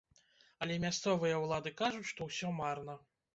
Але мясцовыя ўлады кажуць, што ўсё марна.